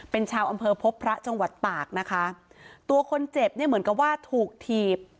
เป็นชาวอำเภอพบพระจังหวัดตากนะคะตัวคนเจ็บเนี่ยเหมือนกับว่าถูกถีบ